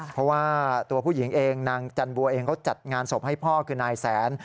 เพราะว่าตัวผู้หญิงเองนางจันบัวเองเขาจัดงานศพให้พ่อคือนายแสน